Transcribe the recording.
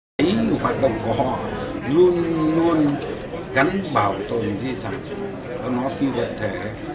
cái hoạt động của họ luôn luôn gắn bảo tồn di sản nó phi vật thể